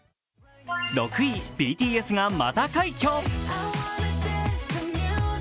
６位、ＢＴＳがまた快挙。